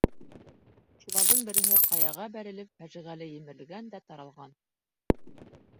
Шуларҙың береһе ҡаяға бәрелеп, фажиғәле емерелгән дә таралған.